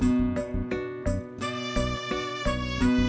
saya sudah berjalan